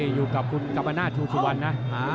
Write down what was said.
อยู่กับคุณกรรมนาฏ๑๒๔นะ